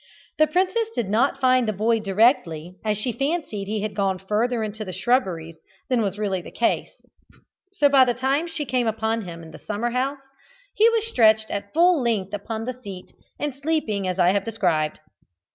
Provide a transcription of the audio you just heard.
The princess did not find the boy directly, as she fancied he had gone further into the shrubberies than was really the case, so that by the time she came upon him in the summer house he was stretched at full length upon the seat and sleeping as I have described.